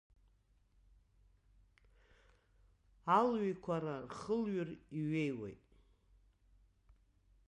Алҩеиқәара рхылҩыр иҩеиуеит.